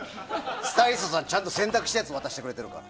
スタイリストさんが洗濯したやつ渡してくれてるから。